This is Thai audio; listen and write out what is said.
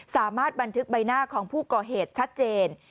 สามารถบันทึกใบหน้าของผู้ก่อเหตุชัดเจน